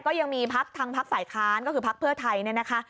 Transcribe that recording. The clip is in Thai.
ก็ยังมีพักทางพักฝ่ายค้านก็คือพักเพื่อไทยเนี่ยนะคะ